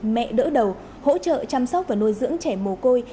mẹ đỡ đầu hỗ trợ chăm sóc và nuôi dưỡng trẻ mồ côi